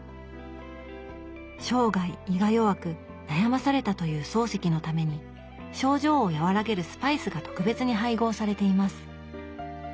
生涯胃が弱く悩まされたという漱石のために症状を和らげるスパイスが特別に配合されています。